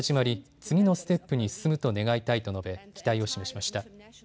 次のステップに進むと願いたいと述べ期待を示しました。